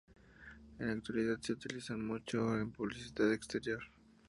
En la actualidad se utilizan mucho en publicidad exterior.